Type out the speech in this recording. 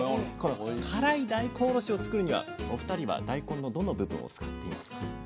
この辛い大根おろしを作るにはお二人は大根のどの部分を使っていますか？